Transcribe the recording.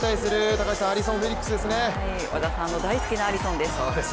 織田さんの大好きなアリソンです。